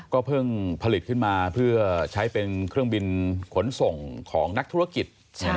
ก็เพิ่งผลิตขึ้นมาเพื่อใช้เป็นเครื่องบินขนส่งของนักธุรกิจ